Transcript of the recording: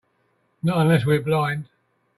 Not unless we're blind.